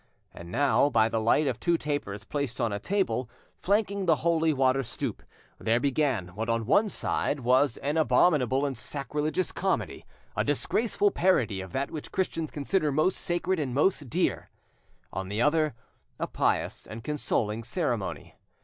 And now, by the light of two tapers placed on a table, flanking the holy water stoup, there began what on one side was an abominable and sacrilegious comedy, a disgraceful parody of that which Christians consider most sacred and most dear; on the other, a pious and consoling ceremony.